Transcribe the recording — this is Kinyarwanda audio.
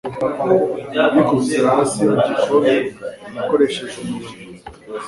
Yikubise hasi mu gikoni akoresheje umuyonga.